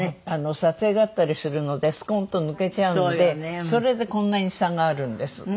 撮影があったりするのでスコンと抜けちゃうのでそれでこんなに差があるんです。